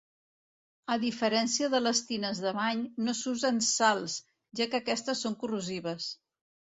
A diferència de les tines de bany, no s'usen sals, ja que aquestes són corrosives.